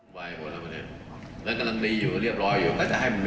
ไปแก้ปัญหาการมาให้ได้ละกันเนี่ยเดี๋ยวก็รอถามผม